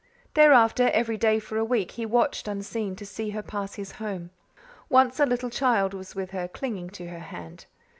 Thereafter, every day for a week he watched unseen to see her pass his home. Once a little child was with her, clinging to her hand.